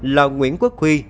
là nguyễn quốc huy